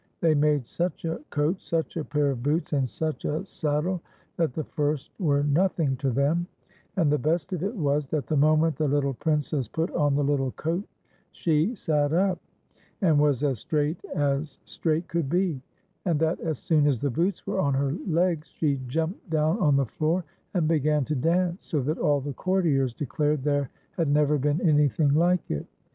They made such a 134 TIPSY' S SILVER BELL. coat, such a pair of boots, and such a saddle, that the first were nothing to them ; and the best of it was, that the moment the httle Princess put on the little coat she sat up, and was as straight as straight could be ; and that as soon as the boots were on her legs, she jumped down on the floor and began to dance, so that all the courtiers declared there had never been anything like it.